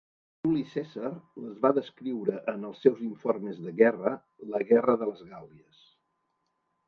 Juli Cèsar les va descriure en els seus informes de guerra, La Guerra de les Gàl·lies.